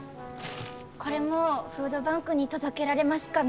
これもフードバンクに届けられますかね？